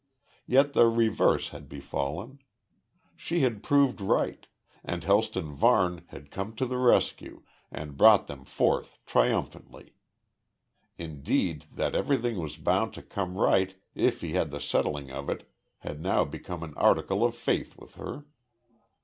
Yet the reverse had befallen. She had proved right, and Helston Varne had come to the rescue, and brought them forth triumphantly. Indeed, that everything was bound to come right if he had the settling of it had now become an article of faith with her.